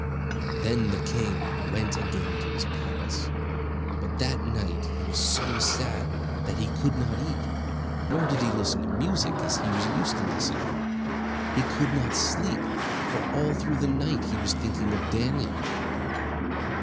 Then the king went again to his palace; but that night he was so sad that he could not eat, nor did he listen to music as he was used to listen. He could not sleep, for all through the night he was thinking of Daniel.